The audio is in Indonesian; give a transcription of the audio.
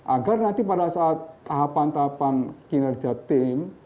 agar nanti pada saat tahapan tahapan kinerja tim